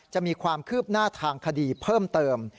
จะมีความคืบหน้าทางคดีเพิ่มเติม